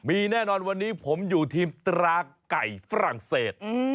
มีแน่นอนวันนี้ผมอยู่ทีมตราไก่ฝรั่งเศส